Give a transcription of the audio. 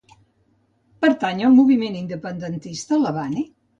Pertany al moviment independentista la Vane?